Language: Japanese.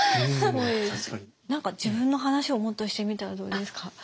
何か自分の話をもっとしてみたらどうですか？